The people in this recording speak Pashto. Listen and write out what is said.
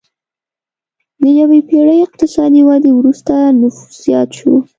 له یوې پېړۍ اقتصادي ودې وروسته نفوس زیات شو.